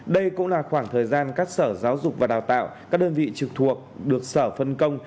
đây cũng là khoảng thời gian các sở giáo dục và đào tạo các đơn vị trực thuộc được sở phân công